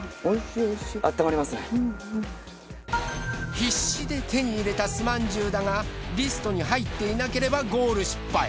必死で手に入れたすまんじゅうだがリストに入っていなければゴール失敗。